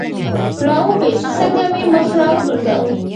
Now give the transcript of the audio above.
را و پېچ، څنګه مې مخ را وګرځاوه.